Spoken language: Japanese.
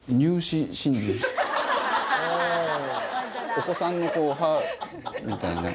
お子さんの歯みたいな。